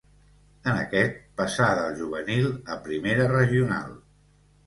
En aquest passà del juvenil a Primera Regional.